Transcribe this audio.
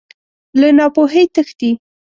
له ناپوهۍ تښتې.